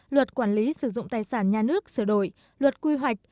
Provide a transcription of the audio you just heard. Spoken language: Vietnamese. luật quản lý sử dụng tài sản nhà nước sửa đổi luật quy hoạch